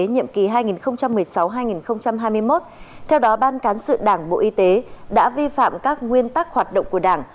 nhiệm kỳ hai nghìn một mươi sáu hai nghìn hai mươi một theo đó ban cán sự đảng bộ y tế đã vi phạm các nguyên tắc hoạt động của đảng